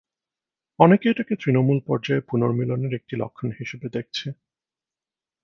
অনেকে এটাকে তৃণমূল পর্যায়ে পুনর্মিলনের একটি লক্ষণ হিসেবে দেখছে।